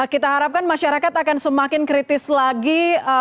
kita harapkan masyarakat akan semakin kritis lagi